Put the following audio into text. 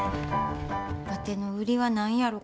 わての売りは何やろか？